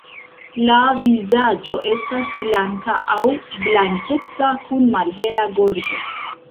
La vizaĝo estas blanka aŭ blankeca kun malhela gorĝo.